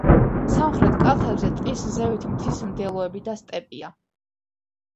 სამხრეთ კალთებზე ტყის ზევით მთის მდელოები და სტეპია.